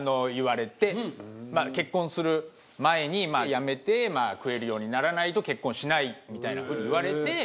結婚する前に辞めてまあ食えるようにならないと結婚しないみたいなふうに言われて。